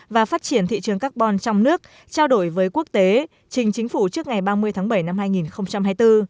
và phát triển thị trường carbon trong nước trao đổi với quốc tế trình chính phủ trước ngày ba mươi tháng bảy năm hai nghìn hai mươi bốn